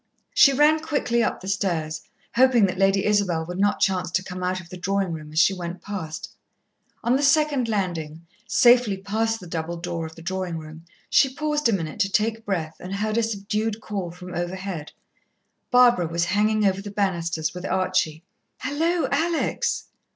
She ran quickly up the stairs, hoping that Lady Isabel would not chance to come out of the drawing room as she went past. On the second landing, safely past the double door of the drawing room, she paused a moment to take breath, and heard a subdued call from overhead. Barbara was hanging over the banisters with Archie. "Hallo, Alex!"